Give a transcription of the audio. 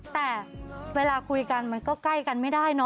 แต่เวลาคุยกันมันก็ใกล้กันไม่ได้เนอ